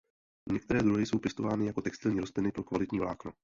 Některé druhy jsou pěstovány jako textilní rostliny pro kvalitní vlákno.